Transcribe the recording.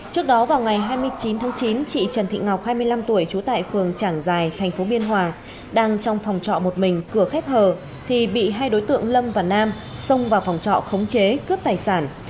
trước đó vào ngày hai mươi chín tháng chín chị trần thị ngọc hai mươi năm tuổi trú tại phường trảng giài thành phố biên hòa đang trong phòng trọ một mình cửa khép hờ thì bị hai đối tượng lâm và nam xông vào phòng trọ khống chế cướp tài sản